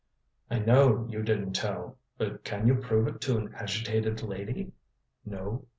"I know you didn't tell. But can you prove it to an agitated lady? No.